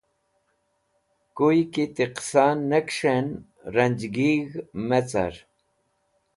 Kuyẽ ki ti qẽsa ne kẽs̃h ranjgig̃h mẽ car.